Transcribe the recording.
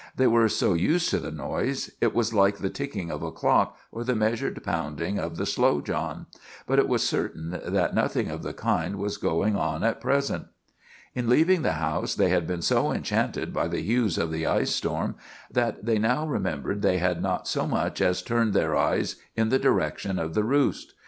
They were so used to the noise; it was like the ticking of a clock or the measured pounding of the Slow John; but it was certain that nothing of the kind was going on at present. In leaving the house they had been so enchanted by the hues of the ice storm that they now remembered they had not so much as turned their eyes in the direction of the roost.